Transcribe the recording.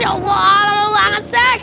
ya allah lama banget sih